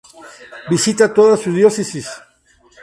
Visita toda su diócesis.